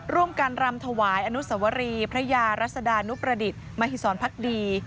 การรำถวายอนุสวรีพระยารัศดานุประดิษฐ์มหิสรพักดี